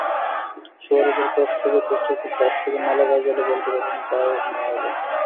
সুয়ারেজের cross থেকে পোস্টের খুব কাছ থেকে মালাগার জালে বলটি পাঠান ভারমায়েলেন।